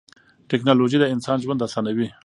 تکنالوژي د انسان ژوند اسانوي.